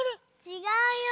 ちがうよ。